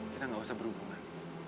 kita gak usah berhubungan